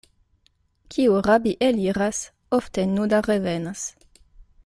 Kiu rabi eliras, ofte nuda revenas.